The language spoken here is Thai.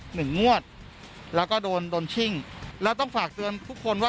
หนึ่งงวดแล้วก็โดนโดนชิ่งแล้วต้องฝากเตือนทุกคนว่า